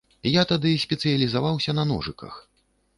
Я тады спецыялізаваўся на ножыках.